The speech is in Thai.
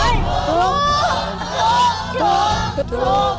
ถูกหรือไม่ถูก